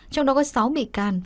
trong đó có sáu bị can